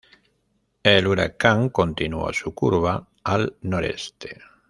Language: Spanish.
El huracán continuó su curva al noreste.